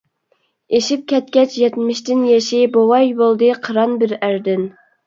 ئېشىپ كەتكەچ يەتمىشتىن يېشى، بوۋاي بولدى قىران بىر ئەردىن.